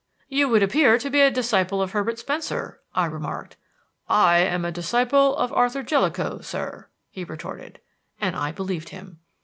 "You would appear to be a disciple of Herbert Spencer," I remarked. "I am a disciple of Arthur Jellicoe, sir," he retorted. And I believed him.